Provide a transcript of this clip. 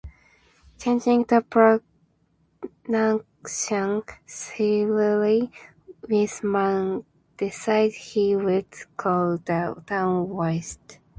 Changing the pronunciation slightly, Whisman decided he would call the town Washta.